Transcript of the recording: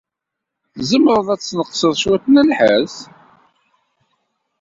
Tzemred ad tesneqsed cwiṭ n lḥess?